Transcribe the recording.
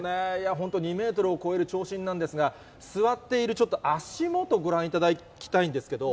本当、２メートルを超える長身なんですが、座っているちょっと足元、ご覧いただきたいんですけど。